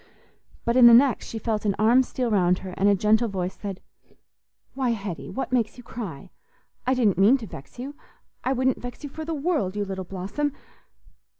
But in the next she felt an arm steal round her, and a gentle voice said, "Why, Hetty, what makes you cry? I didn't mean to vex you. I wouldn't vex you for the world, you little blossom.